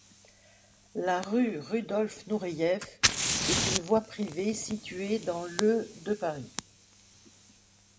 La rue Rudolf-Noureev est une voie privée située dans le de Paris.